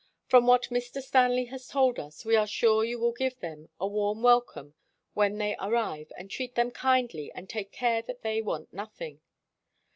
... From what Mr. Stanley has told us, we are sure you will give them a warm welcome when they ar rive, and treat them kindly, and take care that they want nothing.